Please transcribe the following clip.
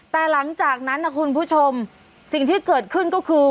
แต่หลังจากนั้นนะคุณผู้ชมสิ่งที่เกิดขึ้นก็คือ